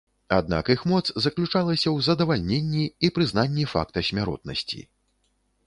Аднак іх моц заключалася ў задавальненні і прызнанні факта смяротнасці.